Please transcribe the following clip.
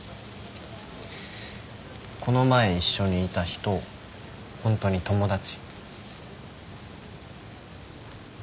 この前一緒にいた人ホントに友達？